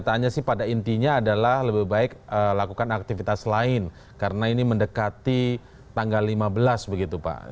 pertanyaannya sih pada intinya adalah lebih baik lakukan aktivitas lain karena ini mendekati tanggal lima belas begitu pak